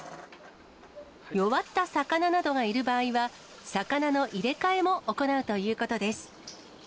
弱った魚などがいる場合は、魚の入れ替えも行うということです。